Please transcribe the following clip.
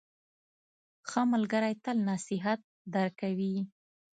ښه ملګری تل نصیحت درکوي.